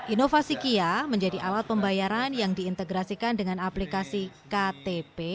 inovasi kia menjadi alat pembayaran yang diintegrasikan dengan aplikasi ktp